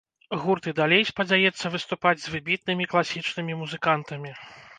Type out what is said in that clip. Гурт і далей спадзяецца выступаць з выбітнымі класічнымі музыкантамі.